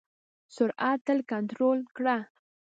سرعت تل کنټرول کړه.